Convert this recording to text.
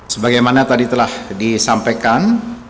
sebagai mana tadi telah disampaikan